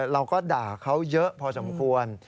เราก็ด่าเขาเยอะพอสมควร